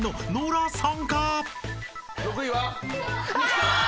６位は。